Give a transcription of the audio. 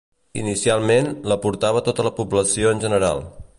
Inicialment, la portava tota la població en general.